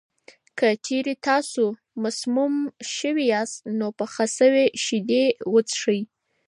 که چېرې تاسو مسموم شوي یاست، نو پخه شوې شیدې وڅښئ.